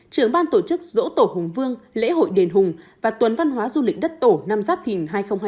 trưởng ban tổ chức dỗ tổ hùng vương lễ hội đền hùng và tuần văn hóa du lịch đất tổ năm giáp thìn hai nghìn hai mươi bốn